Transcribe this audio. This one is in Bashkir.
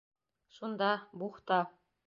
Шунда, «бухта...»